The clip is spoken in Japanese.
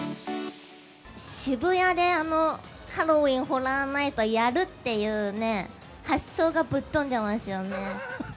渋谷でハロウィーン・ホラー・ナイトやるっていうね、発想がぶっ飛んでますよね。